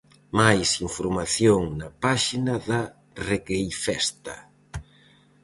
Máis información na páxina da Regueifesta.